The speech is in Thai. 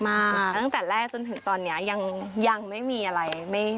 ตั้งแต่แรกจนถึงตอนนี้ยังไม่มีอะไร